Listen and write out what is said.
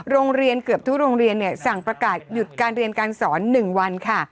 โรงเรียนเกือบทุกโรงเรียนสั่งประกาศหยุดการเรียนการสอน๑วันค่ะ